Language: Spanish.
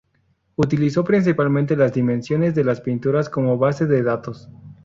Utilizó principalmente las dimensiones de las pinturas como base de datos.